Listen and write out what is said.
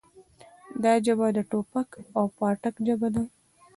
دا ژبه د ټوپک او پاټک ژبه ده.